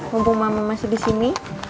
mumpung mama masih di sini